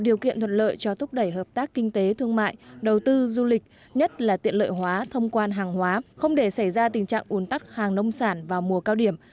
điều kiện thuận lợi cho thúc đẩy hợp tác kinh tế thương mại đầu tư du lịch nhất là tiện lợi hóa thông quan hàng hóa không để xảy ra tình trạng ồn tắc hàng nông sản vào mùa cao điểm